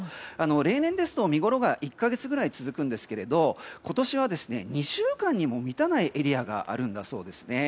例年ですと見ごろが１か月ぐらい続くんですが今年は２週間にも満たないエリアがあるんだそうですね。